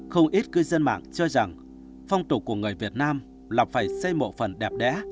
không ít cư dân mạng cho rằng phong tục của người việt nam là phải xây một phần đẹp đẽ